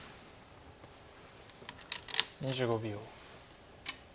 ２５秒。